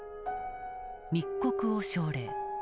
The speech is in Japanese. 密告を奨励。